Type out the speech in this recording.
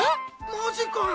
マジかよ！